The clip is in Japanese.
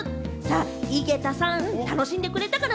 井桁さん、楽しんでくれたかな？